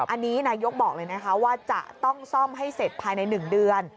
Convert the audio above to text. อันนี้นายกบอกเลยนะคะว่าจะต้องซ่อมให้เสร็จภายใน๑เดือน